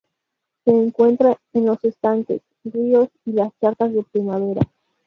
Se encuentra en los estanques, ríos, y las charcas de primavera.